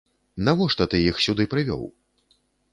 Навошта ты іх сюды прывёў?